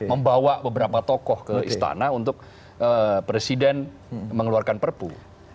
membawa beberapa tokoh ke istana untuk presiden mengeluarkan perpu